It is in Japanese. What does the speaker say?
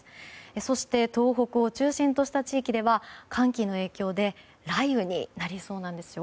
そして東北を中心とした地域では寒気の影響で雷雨になりそうなんです。